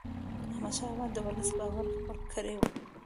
احمدشاه بابا د ولس باور خپل کړی و.